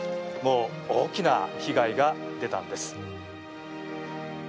大きな被害が出たんです。